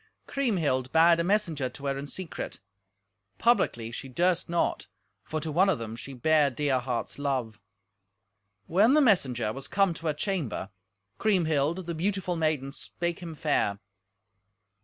Kriemhild bade a messenger to her in secret; publicly she durst not, for to one of them she bare dear heart's love. When the messenger was come to her chamber, Kriemhild, the beautiful maiden, spake him fair.